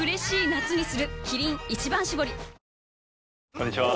こんにちは。